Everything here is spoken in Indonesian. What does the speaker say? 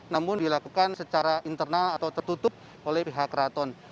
namun dilakukan secara internal atau tertutup oleh pihak keraton